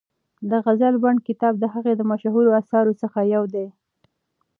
د غزل بڼ کتاب د هغه د مشهورو اثارو څخه یو دی.